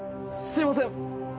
すいません！